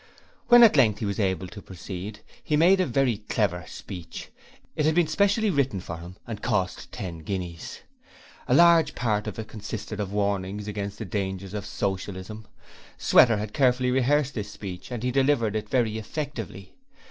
When at length he was able to proceed, ho made a very clever speech it had been specially written for him and had cost ten guineas. A large part of it consisted of warnings against the dangers of Socialism. Sweater had carefully rehearsed this speech and he delivered it very effectively.